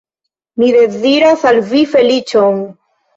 Mi deziras al vi feliĉon.